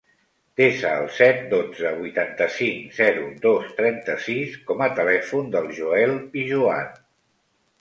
Desa el set, dotze, vuitanta-cinc, zero, dos, trenta-sis com a telèfon del Joel Pijuan.